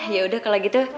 yaudah kalo gitu